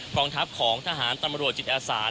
กองทัพของทหารตำรวจจิตอาสา